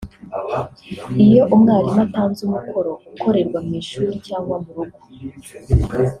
Iyo Umwarimu atanze umukoro ukorerwa mu ishuri cyangwa mu rugo